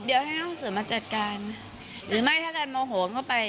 เดี๋ยวให้น้องเสือมาจัดการหรือไม่ถ้าการโมโหมเข้าไป